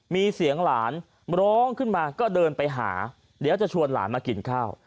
มีเสียงหลานร้องขึ้นมาก็เดินไปหาเดี๋ยวจะชวนหลานมากินข้าว